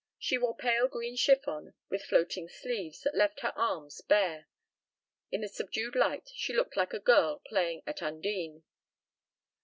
She wore pale green chiffon with floating sleeves that left her arms bare. In the subdued light she looked like a girl playing at Undine.